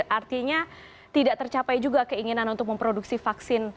artinya tidak tercapai juga keinginan untuk memproduksi vaksin